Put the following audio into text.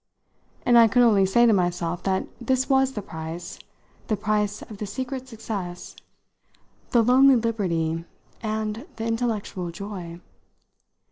And I could only say to myself that this was the price the price of the secret success, the lonely liberty and the intellectual joy.